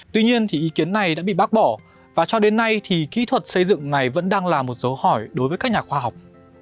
tuy nhiên ý kiến này đã bị bác bỏ và cho đến nay thì kỹ thuật xây dựng này vẫn đang là một dấu hỏi đối với các nhà khoa học